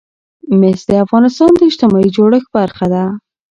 مس د افغانستان د اجتماعي جوړښت برخه ده.